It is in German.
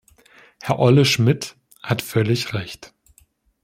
Herr Olle Schmidt hat völlig Recht.